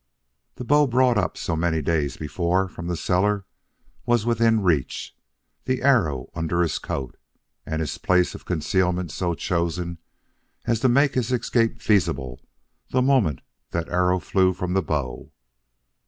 The bow brought up so many days before from the cellar was within reach; the arrow under his coat; and his place of concealment so chosen as to make his escape feasible the moment that arrow flew from the bow.